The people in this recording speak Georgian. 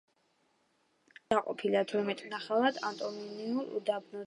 დამატებით, ერევანი დაყოფილია თორმეტ ნახევრად ავტონომიურ უბნად.